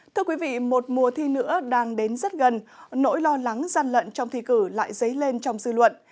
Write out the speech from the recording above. thưa quý vị một mùa thi nữa đang đến rất gần nỗi lo lắng gian lận trong thi cử lại dấy lên trong dư luận